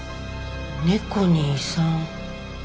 猫に遺産。